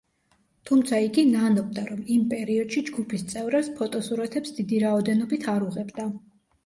თუმცა, იგი ნანობდა, რომ იმ პერიოდში ჯგუფის წევრებს ფოტოსურათებს დიდი რაოდენობით არ უღებდა.